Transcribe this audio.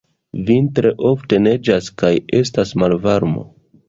Vintre ofte neĝas kaj estas malvarmo.